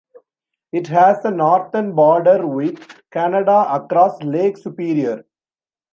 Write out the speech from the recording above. It has a northern border with Canada across Lake Superior.